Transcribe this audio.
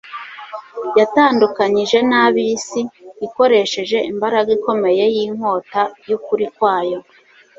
yatandukanyije n'ab'isi ikoresheje imbaraga ikomeye y'inkota y'ukuri kwayo